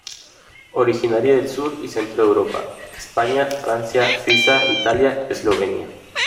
Originaria del sur y centro de Europa; España, Francia, Suiza, Italia, Eslovenia.